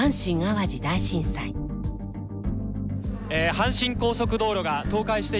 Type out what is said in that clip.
阪神高速道路が倒壊しています。